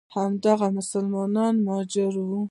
همدغه مسلمان مهاجر وو.